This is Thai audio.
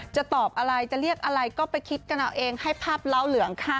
จะตอบอะไรจะเรียกอะไรก็ไปคิดกันเอาเองให้ภาพเล้าเหลืองค่ะ